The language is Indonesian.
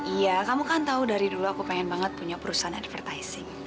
iya kamu kan tahu dari dulu aku pengen banget punya perusahaan advertising